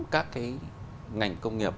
các cái ngành công nghiệp